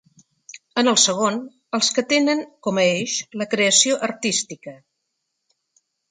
En el segon, els que tenen com a eix la creació artística.